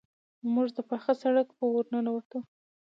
موږ د پاخه سړک په ورننوتو.